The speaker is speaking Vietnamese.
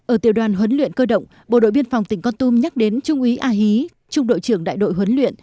ở tiểu đoàn huấn luyện cơ động bộ đội biên phòng tỉnh con tum nhắc đến trung úy a hí trung đội trưởng đại đội huấn luyện